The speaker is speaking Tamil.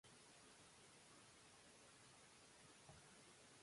தாங்கள் கொண்டிருந்த கூறுபாடுகளையும்